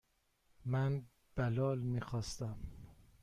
من بلال میخواستم.